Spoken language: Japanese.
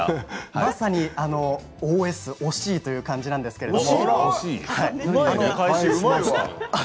まさにＯＳ惜しいという感じなんですけれども。